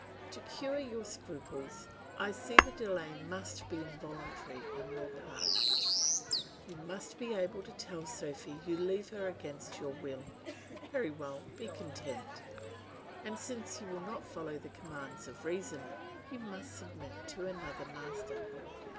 To cure your scruples, I see the delay must be involuntary on your part; you must be able to tell Sophy you leave her against your will. Very well, be content, and since you will not follow the commands of reason, you must submit to another master.